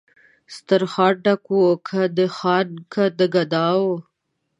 سترخان ډک و که د خان که د ګدا وو